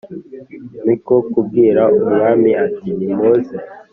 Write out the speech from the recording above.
Ni ko kubwira umwami ati nimuze